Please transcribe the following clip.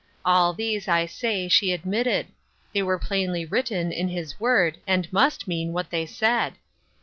All these, I say, she admitted; they were plainly written in his word and must mean what they said.